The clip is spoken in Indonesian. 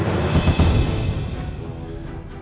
sep versi mana lagi